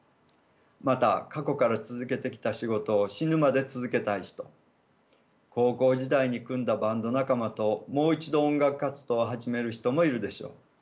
また過去から続けてきた仕事を死ぬまで続けたい人高校時代に組んだバンド仲間ともう一度音楽活動を始める人もいるでしょう。